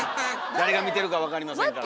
誰が見てるか分かりませんから。